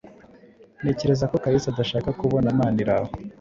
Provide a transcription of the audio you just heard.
Ntekereza ko Kalisa adashaka kubona Maniraho.